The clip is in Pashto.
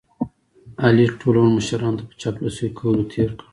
علي ټول عمر مشرانو ته په چاپلوسۍ کولو تېر کړ.